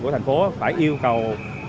thành phố phải yêu cầu